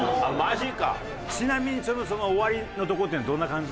ちなみにその終わりのとこってどんな感じなの？